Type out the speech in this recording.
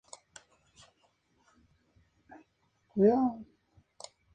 Sugiere que Dorothy es una pagana en todo menos en el nombre.